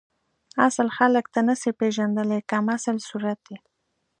اصل خلک ته نسی پیژندلی کمسل صورت یی